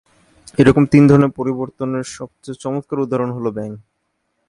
এইরকম তিন ধরনের পরিবর্তনের সবচেয়ে চমৎকার উদাহরণ হল ব্যাঙ।